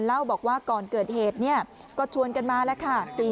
เล่าบอกว่าก่อนเกิดเหตุก็ชวนกันมาแล้วค่ะ